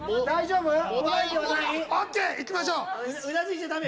大丈夫？